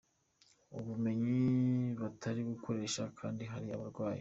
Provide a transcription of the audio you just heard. ubumenyi batari gukoresha kandi hari abarwayi.